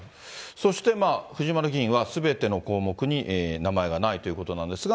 そして藤丸議員はすべての項目に名前がないということなんですが。